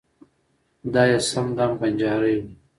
دای یې سم دم بنجارۍ و.